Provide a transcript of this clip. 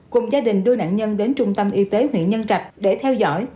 cùng gia đình đưa nạn nhân đến trung tâm y tế huyện nhân trạch để theo dõi